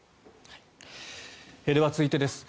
では、続いてです。